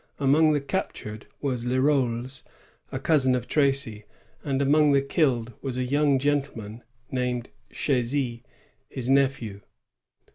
Among the captured was Leroles, a cousin of Tracy; and among the killed was a yotmg gentleman named Chasy, his nephew.